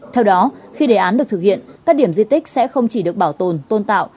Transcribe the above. theo đó khi đề án được thực hiện các điểm di tích sẽ không chỉ được bảo tồn tôn tạo